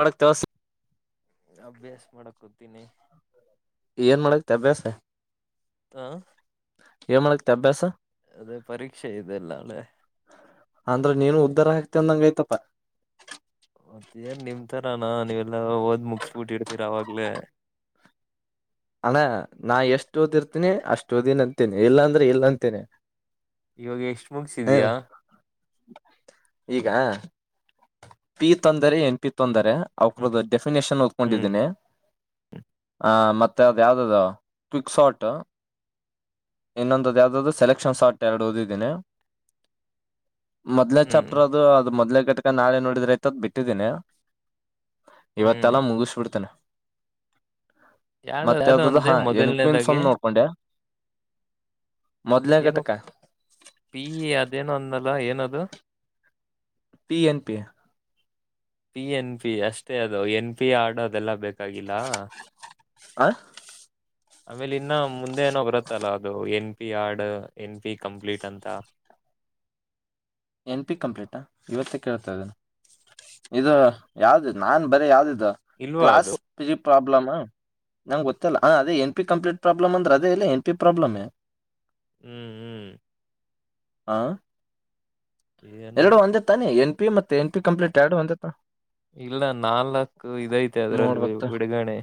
ಒಳಕ್ ತಸ ಅಭ್ಯಾಸ ಮಾಡಕ್ ಹತನಿ ಏನು ಮಾಡಗ ತ ಅಭ್ಯಾಸ ಹಾ ಮಾಡನ ತ ಅಭ್ಯಾಸ ಅದೇ ಪರೀಕ್ಷೆ ಇದೆಲ್ಲ ಅಳೆ ಅಂದ್ರೆ ನೀನು ಉದ್ಧಾರ ಆಗ್ತತಿ ಅಂದಂಗ ಐತಪ್ಪ ಮತ್ತ ನ್ ನಿಮತರಾನ ನೀವೆಲ್ಲಾ ಓದ್ ಮುಗಿಸಬಿಟ್ಟಿರ್ತೀರ ಅವವಾಗ್ಲೇ ಅಣ ನಾ ಎಷ್ಟು ಓದ್ಿರ್ತೀನಿ ಅಷ್ಟ ಓದಿನ ಅಂತೇನಿ ಇಲ್ಲಾಂದ್ರೆ ಇಲ್ಲ ಅಂತೇನೆಿ ಇವಾಗ ಎಷ್ಟು ಮುಗಿಸಿದ್ಯಾಾ ಈಗ ಪಿ ತೊಂದರೆ ಎನ್ ಪಿ ತೊಂದರೆ ಹ್ಮ್ ಅವ ಡೆಫಿನೇಷನ್ ಹ್ಮ್ ಓದಕೊಂಡಿದ್ದೀನಿ ಆ ಮ ಮತ್ತ ಅದ್ ಯಾವ್ದ್ದ ಕ್ವಿಕ್ ಶಾಟ್ ಇನ್ನೊಂದ ಯಾವ್ದದ್ ಸೆಲೆಕ್ಷನ್ ಆ್ಟಟ್ ಎರಡು ಓದಿದ್ದೀಿನಿ ಮೊದ್ಲ ಹ್ಮ್ ಚಾಪ್ಟರ್ ಅದು ಅದು್ ಮೊದ್ಲೆ ಘಟಕ ನಾಳೆ ನೋಡಿದ್ರೆ ಐತ ಅದ್ ಬಿಟ್ಟಿದ್ದೀನಿ ಹ್ಮ್ ಇವತ್ತೆಲ್ಲ ಮುಗಿಸ ಬಿಿಡ್ತಾನೆ ಯಾವ್ದ ಮತ್ತ ಯಾವ್ದೋ ಯಾವ್ದದ್ದ ಒಂದೆ ಹಾ ಮೊದಲನೇದಾಗೆ ಏಕ್್ವಿನ್ಸ್ಮ್ ನೋಡ್ಕೊಂಡ್ಯಾ ಮೊದ್ಲೇ ಗಟಕ ಪ ಅದೇನ ಅಂದಲ್ಲ ಏನದು P N P P N P ಅಷ್ಟೇ ಅದು ಎನ್ ಪಿ ಆಡೋದೆಲ್ಲ ಬೇಕಾಗಿಲ್ಲ ಆ ಆಮೇಲೆ ಇನ್ನ ಮುಂದೆ ಏನೋ ಬರತ್ತಲ್ಲ ಅದು ಎನ್ ಪಿ ಆರ್ಡ್ ಎನ್ ಪಿ ಕಂಪ್ಲೀಟ್ ಅಂತ ಎನ್ ಪಿ ಕಂಪ್ಲೀಟಾ ಇವತ್ತೇ ಕೇಳ್ತಾ ಇದದಾನಾ ಇದು ಯಾವ್ದ ನಾನ್ ಬರೀ ಯಾವ್ದದು ಇಲ್ವಾ ಕ್ಲಾಸ್ ಅದು ಪಿ ಪ್ರಾಬ್ಲಮ್ ನಂ್ ಗೊತ್ತಿಲ್ಲಾ ಅದೇ ಎನ್ ಪ ಕಂಪ್ೀಟ್ ಪ್ರಾಬ್ಲಮ ಅಂದ್ರೆ ಅೇ ಇಲ್ಲ ಎನ್ ಪಿ ಪ್ರಾಬ್ಲಮ್ ಹ್ಮ್ ಹ್ಮ್ ಹಾ ಏನು ಎರಡು ಒಂದೇತಾನ ಎನ್ ಪಿ ಮತ್ತ ಎನ್ ಪಿ ಕಂಪ್ಲೀಟ್ ಎರಡು ಒಂದೇತ್ತ ಇಲ್ಲ ನಾಲ್ಕು ಇದೈತೆ ಅದ್ರಲ್ಲಿ ನೋಡ್ಬೇಕಕ್ತ ಬಿಡುಗಣೆ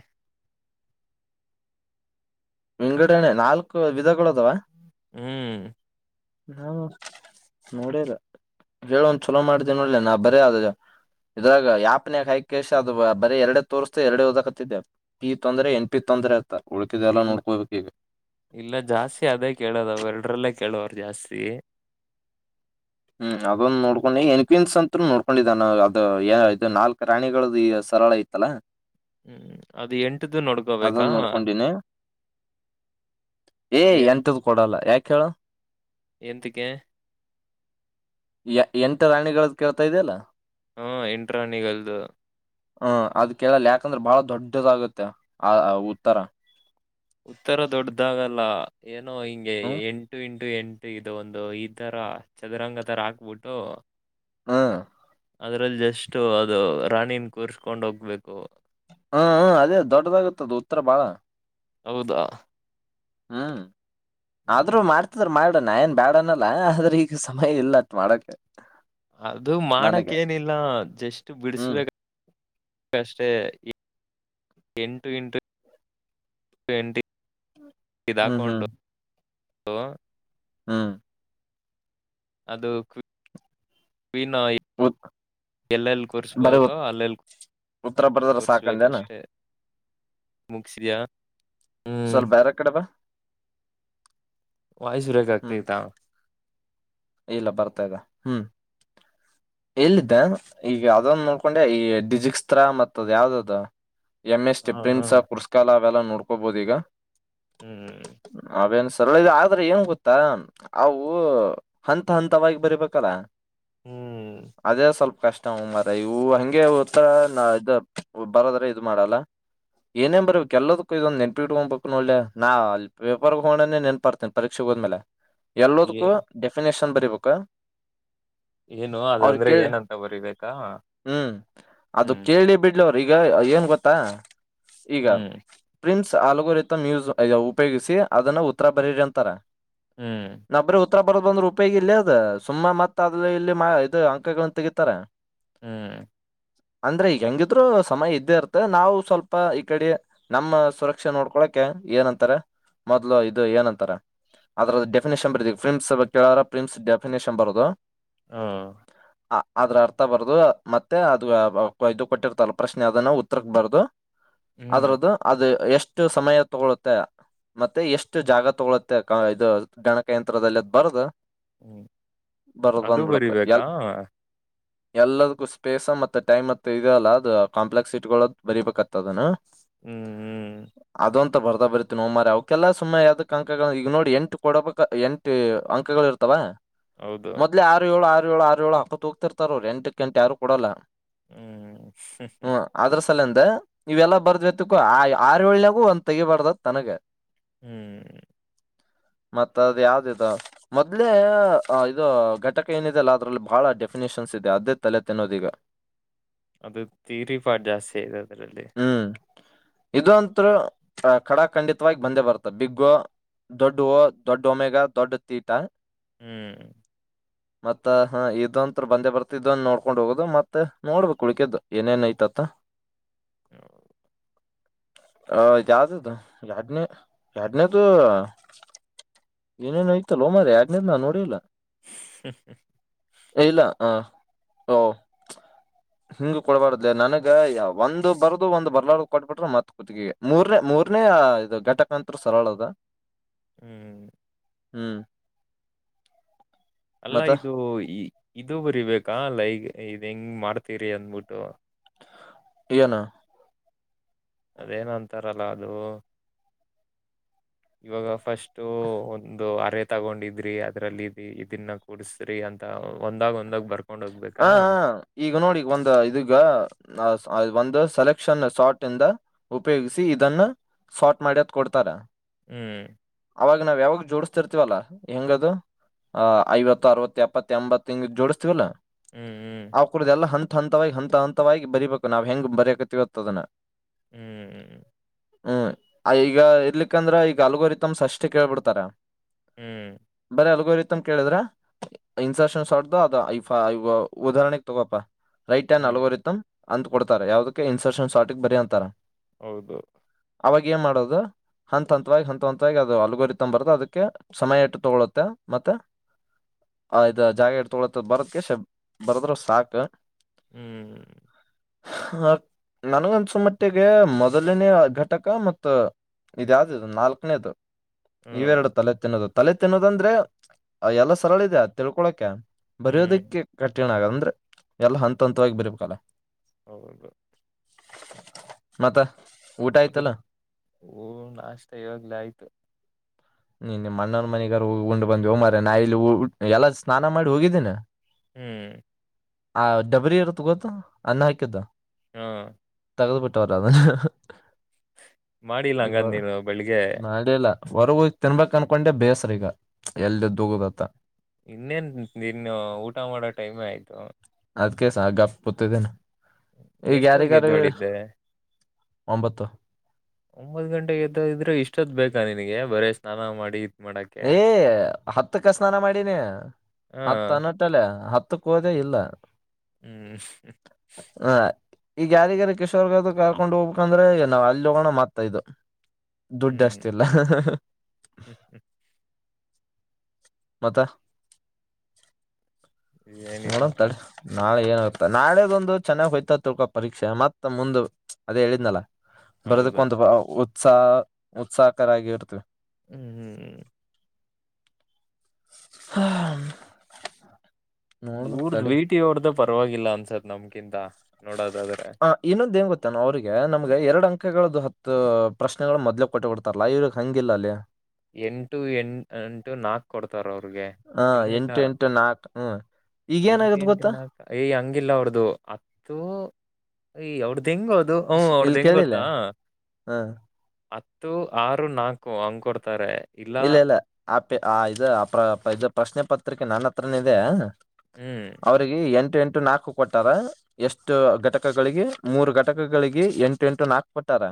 ವಿಂಗಡಣೆ ನಾಲ್ಕು ವಿಧಗಳು ಅದಾವ ಹ್ಮ್ ಹಾ ನೋಡದ ಹೇಳ ಒಂದ್ ಚಲೋ ಮಾಡಿದೆೆ ನೋಡಲಿ ನಾ ಬರೇ ಆದ ಇದ್ರಾಗ ಯಾಪ್ನ್ಯಕ ಹೈಕೇಶ ಅದು ಬರ ಎರಡೆ ತೋರಿಸಸ್ತೆ ಎರಡೆ ಹದಕತ್ತಿದ್ದೆ ಪಿ ತೊಂದ್ರರೆ ಎನ್ ಪಿ ತೊಂದರೆ ಆತ್ತ ಉಳಿತಿದೆ ಎಲ್ಲ ಇಲ್ಲ ನೋಡ್ಕೋಬೇಕ ಇವಿ ಇಲ್ಲ ಜಾಸ್ತಿ ಅದೇ ಕೇಳೋದ ಅವ ಎರಡ್ರಲ್ಲೇ ಕೇಳುವರು ಜಾಸ್ತಿ ಹ್ಮ್ ಅದೊಂದು ನೋಡ್ಕೊಂಡು ಎನ್ಕನ್ಸ್ ಅತ್ ನೋಡ್ಕೊಂಡಿದ್ದಾನ ಅದ ಇದು ನಾಲ್ಕ್ ರಾಣಿಗಳ ಸರಳ ಇತ್ತಲ್ಲಾ ಹ್ಮ್ ಅದು ಎಂಟ್ದ ನೋಡ್ಕೋಬೇಕಾ ಅದೊಂದ್ ನೋಡ್ಕೊಂಡಿನಿ ಅದು ಏ್ ಎಂಟ್ ಎಂತದ್ದ್ ಕೊಡಲ್ಲ ಯಾಕ ಹೇಳ ಎಂತಕ್ಕೆ ಯ ಎಂಟ ರಾಣಿಗಳ ಕೇಳ್ತಾ ಇದೆಯಲ್ಲ ಹಾ ಎಂಟ್ರಾಣಿಗಲ್ದು ಹ ಅದ ಕೇಳಲ್ಲ ಯಾಕಂದ್ರೆ ಬಹಳ ದೊಡ್ಡದಾಗುತ್ತೆ ಆ ಉತ್ತರ ಉತ್ತರ ದೊಡ್ಡ್ದಾಗಲ್ಲ ಏನೋ ಹಿಂಗೆ ಹ್ಮ್ ಎಂಟು ಇಂಟು ಎ ಎಂಟು ಇದು ಒಂದು ಈ ತರ ಚದುರಂಗ ತರ ಹಾಕ್ಬಿಟ್ಟು ಹ ಅದ್ರಲ್ಲಿ ಜಸ್ಟ್ ಅದು ರಾಣಿನ್ ಕೂರ್ಸ್ಕೊಂಡ್ ಹೋಗ್ಬೇಕು ಹ ಹ ಅದೇ ದೊಡ್ಡದಾಗತ್ತದ ಉತ್ತರ ಬಾಳ ಹೌದಾ ಹ್ಮ್ ಆದ್ರೂ ಹ್ಮ್ ಮಾಡ್ತ ಹ ಮಾಡಣ ಏನ್ ಬ್ಯಾಡನಲ್ಲ ಆದ್ರೆ ಈಗ ಸಮಯ ಇಲ್ಲ ಅಷ್ಟ ಮಾಡಕ ಅದು ಮಾಡಕ್ ಏನಿಲ್ಲ ಜಸ್ಟ್ ಹ್ಮ್ ಬಿಡಸ್ಬೇಕ ಅದಷ್ಟೇ ಎಂಟು ಇಂಟು ಪೆಂಟಿಂಗ್ ಇದ ಹ್ಮ್ ಹ್ಮ್ ಹಾಕೊಂಡು ಹಾ ಅದು [unintelligible] ಉತ್ ಎಲ್ಲೆಲ್ಲಿ ಬರೀ ಉತ್ ಕುರ್ಸ್ಬೋಕೋ ಅಲ್ಲೆಲ್ಲಿ ಉತ್ತರ ಬರ್ದ್ರ ಸಾಕಂದೇನ ತರ್ಸ್ಬೇಕಷ್ಟೆ ಮುಗಿಸಿದ್ಯಾ ಹ್ಮ್ ಸ್ವಲ್ಪ ಬೇರೆ ಕಡೆ ಬಾ ವಾಯ್ಸುರೇಜ ಹ್ಮ್ ಆಗ್ತೈತ ಇಲ್ಲ ಬರ್ತಾ ಇದೆ ಹ್ಮ್ ಎಲ್ಲಿದ್ದ ಈಗ ಅದನ್ನ ನೋಡ್ಕೊಂಡೆ ಈ ಡಿಜಿಕ್ಸ್ತ್ರ ಮತ್ತ ಅದ್ ಯಾವ್ದದ ಎಂಎಸ್ ಹಾ ಹಾ ಟಿಪ್ರಿನ್ಸ ಪುರಸ್ಕ ಅವೆಲ್ಲ ನೋಡ್ಕೋಬೋುದೀಗ ಹ್ಮ್ ಹ್ಮ್ ಅವೇನ್ ಸರಳ ಇದು ಆದ್ರೆ ಏನ್ ಗೊತ್ತಾ ಅವು ಹಂತ ಹಂತವಾಗಿ ಬರಿಬೇಕಲ್ಲ. ಹ್ಮೂ ಅದೇ ಸ್ವಲ್ಪ ಕಷ್ಟ ಹು ಮರಾಯ ಇವ್ ಹಂಗೆ ಓತ್ತಿ ಇ ಬರದ್ರೆ ಇದು ಮಾಡಲ್ಲ. ಏನೇನ್ ಬರಿಬೇಕ್ ಎಲ್ಲದಕ್ಕೂ ಇದಂದು ನೆನ್ಪಿಟ್ಕೋಗ್ಬೇಕ್ ನೋಡ ಲೇ ನಾ ಪೇಪರ್ ತೋಣನೇ ನೆನ್ಪರ್ತೇನಿ ಪರೀಕ್ಷೆ ಹೋದ್ಮೇಲೆ ಎಲ್ಲೋದಕ್ಕೂ ಏ- ಡೆಫಿನೇಶನ್ ಬರೀಬೇಕು. ಏನು ಅವ್ರ ಅದಂದ್ರೆ ಕೇಳಿ ಏನಂತ ಬರಿಬೇಕಾ ಹ್ಮ್ ಅದು ಹ್ಮ್ ಕೇಳಿ ಬಿಟ್ಟ್ ಇಲ್ಲ ಅವ್ರ್ ಈಗ ಏನ್ ಗೊತ್ತಾ ಈಗ ಹ್ಮ್ ಪ್ರಿನ್ಸ್ ಆಲಗೊರಿತಮ್ ಮ್ಯೂಸ್ ಅಯೊ ಉಪಯೋಗಿಸಿ ಅದನ್ನ ಉತ್ತರ ಬರೀರಿ ಅಂತಾರೆ. ಹ್ಮ್ ನಾ ಬರೀ ಉತ್ತರ ಬರದ್ ಬಂದ್ರೆ ಉಪಯೋಗಿ ಇಲ್ಲ ಅದ ಸುಮ್ಮ ಮತ್ತ ಅಲ್ಲಿ ಇಲ್ಲಿ ಇದು ಅಂಕಗಳನ್ನ ತೆಗೀತಾರೆ. ಹ್ಮ್ ಅಂದ್ರೆ ಈಗ ಹೆಂಗಿದ್ರು ಸಮಯ ಇದ್ದೇ ಇರ್ತ್ತ ನಾವು ಸ್ವಲ್ಪ ಈ ಕಡೆ ನಮ್ಮ ಸುರಕ್ಷೆ ನೋಡ್ಕೊಳಕೆ ಏನಂತಾರೆ ಮೊದ್ಲು ಇದು ಏನಂತಾರ ಅದ್ರದ್ ಡೆಫಿನೇಷನ್ ಬರ್ದಿವಿ ಪ್ರಿಮ್ಸ್ ಕೇಳಾರ ಪ್ರಿನ್ಸ್ ಡೆಫಿನೇಷನ್ ಬರದು ಹಾ ಅ ಆದ್ರ ಅರ್ಥ ಬರ್ದು ಮತ್ತೆ ಅದು ಇದು ಕೊಟ್ಟಿರ್ತಾರಲ್ಲ ಪ್ರಶ್ನೆ ಅದನ ಉತ್ತರಕ್ ಬರ್ದು ಹ್ಮ್ ಅದ್ರದ್ದು ಅದು ಎಷ್ಟು ಸಮಯ ತಗೊಳ್ಳುತ್ತೆ ಮತ್ತೆ ಎಷ್ಟು ಜಾಗ ತಗೊಳುತ್ತೆ ಇದು ಗಣಕ ಯಂತ್ರದಲ್ಲಿ ಅದ್ ಬರದು ಹ್ಮ್ ಬರದ್ ಅದು ಬಂದ್ಬಿಡಕ್ ಎಲ್ ಬರಿಬೇಕಾ [inaudible] ಎಲ್ಲದಕ್ಕೂ ಸ್ಪೇಸ್ ಮತ್ತೆ ಟೈಮ್ ಮತ್ತ ಇದಲ್ಲ ಅದು ಕಾಂಪ್ಲೆಕ್ಸ್ ಸಿಟಿಗಳ ಬರೀಬೇಕಂತ್ತ ಅದನ ಹ್ಮ್ ಹ್ಮ್ ಅದು ಅಂತ ಬರ್ದ ಬರಿತಿನಿ ನೋ ಮಾರಾಯ್ ಅವಕ್ಕೆಲ್ಲ ಸುಮ್ಮನೆ ಯಾದಕ್ಕಂಕ ಈಗ ನೋಡಿ ಎಂಟ್ ಕೊಡಬೇಕ ಎಂಟ್ ಟಿ ಅಂಕಗಳು ಇರ್ತಾವ. ಹೌದು ಮೊದಲೇ ಆರು ಏಳು ಆರು ಏಳು ಆರು ಏಳು ಅಂತ ತೂಗ್ತಿರ್ತಾರ್ ಅವ್ರು ಎಂಟಕ್ಕೆಂಟು ಯಾರು ಕೊಡೋಲ್ಲ. ಹ್ಮ ಅದ್ರ ಸಲಂದ ಇವೆಲ್ಲಾ ಬರ್ದ್ವಿತಿಕ್ಕೂ ಆ ಆರ್ ಏಳ್ನಾಗು ಒಂದ್ ತೆಗಿಬಾರ್ದ್ಂತ್ ನನಗೆ. ಹ್ಮಞ ಮತ್ತ ಅದ್ ಯಾವ್ದ್ ಇದು ಮೊದ್ಲೇ ಅ ಇದು ಘಟಕ ಏನಿದೆಲ್ಲ ಅದರಲ್ಲಿ ಬಹಳ ಡೆಫಿನೇಷನ್ಸ್ ಇದೆ ಅದೇ ತಲೆ ತಿನ್ನೋದ್ ಈಗ. ಅದು ತಿಯರಿ ಪಾರ್ಟ್ ಜಾಸ್ತಿ ಆದೆ ಅದರಲ್ಲಿ. ಹ್ಮ್ ಇದಂತೂ ಖಡ ಖಂಡಿತವಾಗಿ ಬಂದೇ ಬರ್ತ ಬಿಗ್ ಓ ದೊಡ್ಡ ಓ ದೊಡ್ಡ ಒಮೆಗ ದೊಡ್ಡ ತೀಟ. ಹ್ಮ್ ಮತ್ತ ಹಾ ಇದೊಂತ್ರ ಬಂದೇ ಬರ್ತಿದ್ದ್ ನೋಡ್ಕೊಂಡ್ ಹೋಗೋದು ಮತ್ತೆ ನೋಡ್ಬೇಕು ಉಳಿಕದು ಏನೇನ್ ಐತಂತ. [inaudible] ಹ ಹ ಯಾವ್ದುದು ರೆಡ್ ಮಿ ರೆಡ್ ಮಿ ದೂ ಏನೇನೊ ಐತಲ್ಲ ಹೋ ಮಾರಾಯ್ ಆಗ್ನದ ನೋಡಿಲ್ಲ. ಹ ಏ ಇಲ್ಲ ಹ ಓ. ಹಿಂಗ ಕೊಡ್ಬಾರ್ದಲೇ ನನಗ ಒಂದ್ ಬರ್ದು ಒಂದ್ ಬರ್ಲಾರ್ದು ಕೊಡ್ಬಿಟ್ರ ಮತ್ ಮೂರ್ನೇ ಮೂರ್ನೇ ಇದು ಘಟಕ ಅಂತ್ರ ಸರಳದ. ಹ್ಮ್ ಹ್ಮ್ ಅಲ್ಲ ಮತ್ತ ಇದು ಇದು ಬರಿಬೇಕಾ ಅಲ್ಲ ಈಗ ಇದ್ ಹೆಂಗ್ ಮಾಡ್ತೀರಿ ಅಂದ್ಬಿಟ್ಟು ಇಏನು ಅದೇನ ಅಂತಾರಲ್ಲ ಅದು ಇವಾಗ ಫಸ್ಟ್ ಒಂದು ಅರೆ ತಗೊಂಡಿದ್ರಿ ಅದ್ರಲ್ಲಿ ಇದನ್ನ ಕೂಡಸ್ರಿ ಅಂತ ಒಂದಾಗ ಒಂದಾಗ ಬರ್ ಹ ಈಗ ನೋಡಿಗ ಒಂದ ಇದಗ ಒಂದು ಸೆಲೆಕ್ಷನ್ ಶಾರ್ಟ್ ಇಂದ ಉಪಯೋಗಿಸಿ ಇದನ್ನ ಸಾರ್ಟ್ ಮಾಡ್ಯದ ಕೊಡ್ತಾರ ಹ್ಮ್ ಅವಾಗ ನಾವ್ ಯಾವಾಗ ಜೋಡಿಸಸ್ತಿರ್ತಿೀವಲ್ಲಾ ಹೆಂಗದು ಆ ಐವತ್ತು ಅರವತ್ತು ಎಪ್ಪತ್ತ ಎಂಬತ್ತ್ತುಂಗ ಜೋಡಿಸ್ತಿೀವಲ್ಲಾ ಹ್ಮ್ ಹ್ಮ್ ಆ ಕುೂಡ್ದು ಎಲ್ಲ ಹಂತ ಹಂತವಾಗಿ ಹಂತ ಹಂತವಾಗಿ ಬರಿೀಬೇಕು ನಾವ್ ಹೆಂಗ ಬರಯಕತಿವತ್ತದನ್ನ ಹ್ಮ್ ಹ್ಮ್ ಈಗ ಇರ್ಲಿಕ್ಕಂದ್ರ ಈಗ ಅಲ್ಗೋರಿ ತಮ್ಸ್ ಅಷ್ಟ ಕೇಳ್ಬಿಡ್ತಾರ.. ಹ್ಮ್.. ಬರ ಅಲ್ಗೋತ ಕೇಳಿದ್ರ ಇನ್ಸಷನ್ ಶ್ದ ಅ.. ಇ ಉದಾಹರಣೆಗೆ ತಗೋ ರೈಟ್ ಆ್ಯಂಡ್ ಹ್ಮ್ ಅಲ್ಗೋ ಇತ್ತ ಅಂತ ಕೊಡ್ತಾರೆ ಯಾವದಕ್ಕೆ ಇನ್ಸರ್ಷನ್ ಶಾರಟಿಕ್ ಬರಿ ಅಂತಾರ. ಹೌದು ಅವಾಗ ಏನ್ ಮಾಡೋದು ಹಂತ ಹಂತವಾಗಿ ಹಂತ ಹಂತವಾಗಿ ಅದು ಅಲಗುರಿ ತೊ್ ಬರದು ಅದಕ್ಕೆ ಸಮಯ ಇಟ್ಟು ತಗೊಳುತ್ತೆ ಮತ್ತೆ ಆದು ಜಾಗೆ ತೊಳತದ ಬರದಕೇಶ ಬರದ್ರು ಸಾಕು ಹ್ಮ್ ಹ ನನಗನ್ಸುಮಟ್ಟಿಗೆ ಮೊದಲನೇ ಘಟಕ ಮ ಇದ ಯಾವ್ದ ಇದು ನಾಲ್ಕನೇ ಅದು.. ಹ್ಮ್ ನೀವೆರಡು ತಲೆ ತಿನ್ನೋದು ತಲೆ ತಿನ್ನೋದಂದ್ರೆ ಎಲ್ಲ ಸರಳ ಇದೆ ತಿಳ್ಕೊಳಕೆ. ಹ್ಮ್ ಬರಯೋದಕ್ಕೆ ಕಠಿಣ ಆಗದ ಅಂದ್ರೆ ಎಲ್ಲ ಹಂತ ಹಂತವಾಗಿ ಬರಿಬೇಕಲ್ಲ. ಹೌದು.. ಮತ್ತ ಊಟ ಆಯ್ತಲ್ಲ. ಹಓ ನಾಷ್ಟ ಇವಾಗ್ಲೇ ಆಯ್ತು. ನೀ ನಿಮ್ಮ ಅಣ್ಣನ ಮನೆಗಾರ ಹೋಗೊಂಡು ಬಂದ್ ಹೋ ಮರ ನಾ ಇಲ್ಲಿ ಎಲ್ಲ ಸ್ನಾನ ಮಾಡಿ ಹೋಗಿದ್ದೀನ.. ಹ್ಮ್ ಆ ಡಬ್ಬರಿ ಇರುತ್ತ ಗೊತ್ತು ಅನ್ನ ಹಾಕಿದ್ದ ಹಾ ತಗದುಪಟ್ಟವರ ಮಾಡಿಲ್ಲ ಇಬ ಹಂಗದ್ ನೀನು ಬೆಳಿಗ್ಗೆ ನಾಳಲ್ಲ ಹೊರ್ಗೂ ತಿನ್ಬೇಕಕ್ ಅನ್ಕೊಂಡೆ ಬೇಸ್ರ ಈಗ ಎಲ್ಲಿ ೂಗುದತ್ತ ಇನ್ನೇನ್ ಇನ್ನು ಊಟ ಮಾಡೋ ಟೈಮೆ ಆಯ್ತು.. ಅದ್ಕೆ ಸ ಗಪ್ ಕುತಿದಿನಿ ಈಗ ಎಷ್ಟೊತ್ತಿಗೆ ಯಾರಿಗಾರ ಎದ್ದೋಳಿದ್ದೆ ಒಂಬತ್ತು ಒಂಬತ್ ಗಂಟೆಗೆ ಎದ್ದ ಇದ್ರೆ ಇಷ್ಟೊತ್ತು ಬೇಕಾ ನಿನಗೆ ಬರೆ ಸ್ನಾನ ಮಾಡಿ ಮಾಡಕ್ಕೆ ಏ ಹತ್ತಕ್ಕ ಸ್ನಾನ ಮಾಡಿನಿ ಹಾ ಹತ್ತ ಅನಕ್ ಇಟ್ಟಲ್ಲೆ ಹತ್ತುಕ್ಕ ಹೋದೇ ಇಲ್ಲ ಹ್ಮ್ ಹ ಈಗ ಯಾರಿಗ್ಯಾರ ಕಿಶೋರ್ ಗೆ ಕರ್ಕೊಂಡ್ ಹೋಗಬೇಕಂದ್ರೆ ನಾವು ಅಲ್ಲಿ ಹೋಗಣ ಮಾತ್ತ ಇದು ದುಡ್ಡ ಅಷ್ಟಲ್ಲ ಹ ಹ ಹ್ಮ್ ಹ್ಮ್ ಮತ್ತ ಹಾ ನೋಡಮ್ ಏನಿಲ್ಲಪ್ಪ ತಡಿರಿ ನಾಳೆ ಏನಾಗ್ತದ ನಾಳದೊಂದು ಚೆನ್ನಾಗ ಹೋಯ್ತಾ ತಿಳ್ಕೊ ಪರೀಕ್ಷೆ ಮತ್ತ ಮುಂದ ಅದೇ ಹೇಳಿದ್ನಲ್ಲಾ ಹೌದು ಬರೆಯೊದಕ್ಕ ಒಂದು ಉತ್ಸಾಹ ಉತ್ಸಾಹಕರ ಆಗಿ ಇರ್ತವಿ ಹ್ಮ್ ಹ್ಮ್ ಹ್ಮ್ ಹ ಇವರದ್ ವಿಟಿ ಅದು ಪರವಾಗಿಲ್ಲ ಅನ್ಸತ್ ನಮ್ಕಿಂತ ನೋಡೋದಾದ್ರೆ ಇನ್ನೊಂದು ಏನ್ ಗೊತ್ತಾ ಅಣ್ಣ ಅವ್ರಿಗೆ ನಮ್ಗೆ ಎರಡು ಅಂಕಗಳ ಹತ್ತು ಪ್ರಶ್ನೆಗಳು ಮೊದ್ಲೆ ಕೊಟ್ಟ ಬಿಡ್ತಾರಲ ಇವ್ರಿಗಿ ಹಂಗಿಲ್ಲ ಅಲ್ಲಿ ಎಂಟು ಎಂಟು ನಾಕು ಕೊಡ್ತಾರ ಅವ್ರಿಗೆ ಹ್ಮ ಇಲ್ಲ ಇಲ್ಲ ಎಂಟು ಎಂಟು ನಾಕು ಹ್ಮ್ ಎಂಟು ಈಗೇನಾಗತ್ ಎಂಟ ಗೊತ್ತಾ ನಾಕ ಯೇ ಹಂಗಿಲ್ಲ ಅವ್ರ್ ದು ಹತ್ತು ಏಯ್ ಅವ್ರ್ ದ ಹೆಂಗೊ ಬ್ರೊ ಇಲ್ ಅವರದು ಹೆಂಗ್ ಕೇಳಿಲ್ಲ ಗೊತ್ತಾ ಹ ಹತ್ತು ಆರು ನಾಲ್ಕು ಹಂಗ ಕೊಡ್ತಾರೆ ಇಲ್ಲ ಇಲ್ಲ ಆಪ ಆ ಇದು ಅ ಇ ಪ್ರಶ್ನೆ ಪತ್ರಿಕೆ ನನ್ನ ಹತ್ರನೆ ಇದೆ ಹ್ಮ ಅವ್ರಿಗೆ ಎಂಟು ಎಂಟು ನಾಲ್ಕು ಕೊಟ್ಟಾರ ಎಷ್ಟು ಘಟಕಗಳಿಗೆ ಮೂರು ಘಟಕಗಳಿಗೆ ಎಂಟು ಎಂಟು ನಾಕು ಕೊಟ್ಟಾರ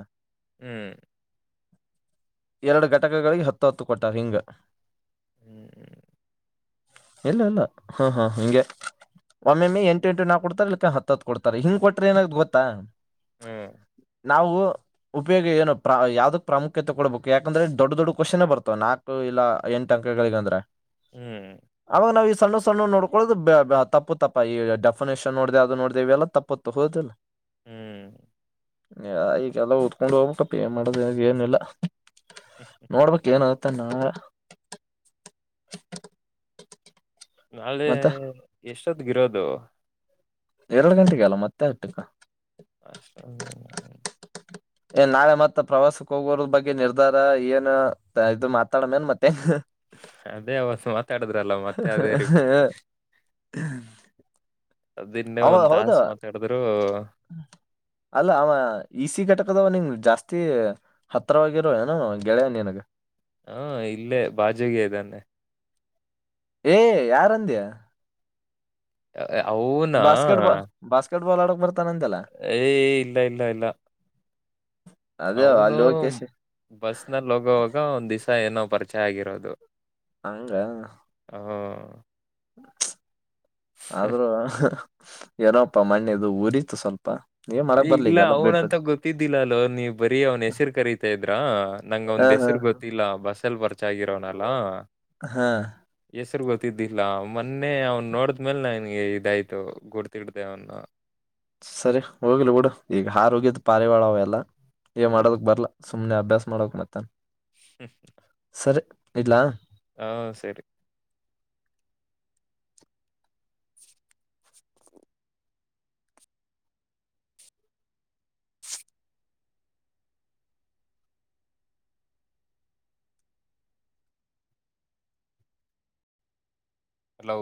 ಹ್ಮ್ ಎರಡು ಘಟಕಗಳಿಗೆ ಹತ್ತು ಹತ್ತು ಕೊಟ್ಟರಿಂಗ್ ಹ್ಮ್್ಮ ಇಲ್ಲ ಇಲ್ಲ ಹಾ ಹಾ ಹಂಗೆ ಒಮ್ಮೆಮ್ಮೆ ಎಂಟುಂುಾ ಕೊಡ್ತ ಇಲ್ಲಕ್ಕ ಹತ್ ಕೊಡ್ತಾರೆ ಹಿಂಗ ಕೊ್ರರಿಏನ ಗೊಾ ಹ್ಮ್ ನಾವು ಉಪಯೋಗ ಏನು ಯಾವ್ದ ಪ್ರಾಮುಖ್ಯತೆ ಕೊಡಬೇಕು ಯಾಕಂದ್ರೆ ದೊಡ್ಡ ದೊಡ್ಡ ಕ್ವಶನ್ೇ ಬರ್ತವೆ ನಾಲ್ಕು ಇಲ್ಲ ಎಂಟು ಅಂಕಗಳಿಗೆ ಅಂದ್ರೆ ಹ್ಮ್ ಅವಾಗ ನಾವವು ಈ ಸಣ್ಣ ಸಣ್ಣ ನೋಡ್ಕೊಳ್ಳೋದು ತಪ್ಪು ತಪ್ಪಾ ಈ ಡೆಫಿನೇಷನ್ ನೋಡ್ದ ಅದು ನೋಡ್ದೇವಿ ಎಲ್ಲ ತಪ್ಪು ಹೋ ಹ ಹ್ಮ್ ಈಗಲ್ಲ ದ್ಕೊಂಡ್ ಹೋಗ್ಬೇಕಪ್ಪ ಮಾಡದ ಏನಿಲ್ಲಲ್ಲ ಹ್ಮ್ ನೋಡ್ಬಕ್ ಏನಾಗತಣ [unintelligible] ನಾಳೆ ಮತ್ತೆ ಎಷ್ಟೊದಗಿರೋದು ಎರಡು ಗಂಟೆಗೆ ಅಲ್ಲ ಮತ್ತೆ ಆಟ್ಟಕ್ಕ ಅಷ್ಟ [unintelligible] ಏ ನಾವೆ ಮತ್ತತ್ ಪ್ರವಾಸಕ್ಕೆ ಹೋಗೋರದ ಬಗ್ಗೆ ನಿರ್ಧಾರ ಏನು ಇದು ಮಾತಾಡ ಮೇನ್ ಮತ್ತೆ ಅದೇ ಹೊಸ ಮಾತಾಡುದ್ರಲ್ಲ ಮತ್ತೆ ಅದೇ ರೀ ಬಿ ಹ ಅದಿನ್ನೇ ಒಂದ್ ತಾಸ ಮಾತಾಡಿದ್ರು ಹ ಅಲ್ಲ ಅವ ಇಸ ಘಟಕದವ ನಿಂಗ ಜಾಸ್ತಿ ಹತ್ತರವಾಗಿರುವ ಏನೋ ಗೆಳೆಯನ್ನಗ ಹಾ ಇಲ್ಲೇ ಬಾಜಿಗೆ ಇದೇನ ನಾ. ಏ ಯಾರಂದ್ಯಾ. ಅವನಾ. ಬಾಸ್ಕೆಟ್ ಬಾಲ್ ಬಾಸ್ಕೆಟ್ ಬಾಲ್ ಆಡಕ್ ಬರ್ತಾನಂದಲ್ಲ. ಏ ಇಲ್ಲ ಇಲ್ಲ ಇಲ್ಲ. ಅದೇ ಅವನು ಅಲ್ಲಿ ಹೋಗಕೇಶಿ ಬಸ್ನಲ್ಲಿ ಹೋಗೋವಾಗ ಒಂದ್ ದಿವ್ಸ ಏನೋ ಪರಿಚಯ ಆಗಿರೋದು. ಹಂಗ. ಹಾ. ಆದ್ರೂ ಏನೋಪ್ಪ ಮಣ್ಣದು ಉರಿತು ಸ್ವಲ್ಪ. ಏನ್ ಏ ಮಾಡಕ್ ಬರ್ಲಿ ಇಲ್ಲ ಈಗೆಲ್ಲ ಅವ್ನ ಅಂತ ಬಿಟ್ಬಿಟ್ ಗೊತ್ತಿದ್ದಿಲ್ಲ ಅಲ್ಲೋ ನೀವು ಬರೀ ಅವ್ನ್ ಹೆಸರು ಕರೀತಾ ಇದ್ರ ನಂಗ ಹಾ ಅವಂದ್ ಹಾ ಹೆಸರು ಗೊತ್ತ. ತ್ತಿಲ್ಲ ಬಸ್ಸಲ್ಲಿ ಪರಿಚಯ ಆಗಿರೋನಲ್ಲಾ. ಹಾ. ಹೆಸರು ಗೊತ್ತಿದ್ದಿಲ್ಲ ಮೊನ್ನೆ ಅವನ್ ನೋಡಿದ್ಮೇಲ್ ನನ್ಗೆ ಇದಾಯ್ತು ಗುಡ್ತಿಡ್ದ ಅವನ್ನ. ಸರಿ ಹೋಗ್ಲ್ಲ ಬಿಡು ಈಗ ಹಾರೋಗಿದ್ ಪಾರಿವಾಳ ಅವ ಎಲ್ಲ ಏ ಹ್ಮ್ ಮಾಡೋದಕ್ ಬರ್ಲಾ. ಸುಮನೆ ಅಭ್ಯಾಸ ಮಾಡ ಬೇಕ್ ಮತ್ತೆನ್. [unintelligible] ಸರಿ ಇಡ್ಲಾ. ಹಾ ಸರಿ. [unintelligible] ಹಲೋ.